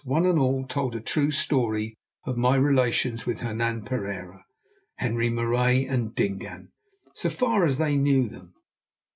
One and all told a true story of my relations with Hernan Pereira, Henri Marais, and Dingaan, so far as they knew them.